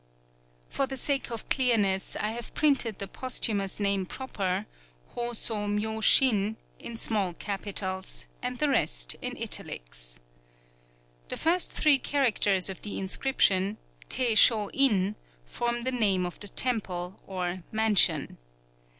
] For the sake of clearness, I have printed the posthumous name proper (Hō sō Myō shin) in small capitals, and the rest in italics. The first three characters of the inscription, Tei Shō In, form the name of the temple, or "mansion."